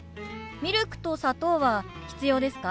ミルクと砂糖は必要ですか？